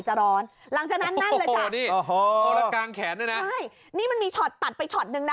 โอ้โฮแล้วกลางแขนด้วยนะใช่นี่มันมีช็อตตัดไปช็อตนึงนะ